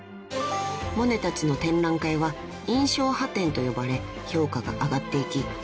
［モネたちの展覧会は印象派展と呼ばれ評価が上がっていき